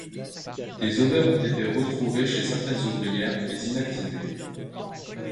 Des ovaires ont été retrouvés chez certaines ouvrières, mais inactivés.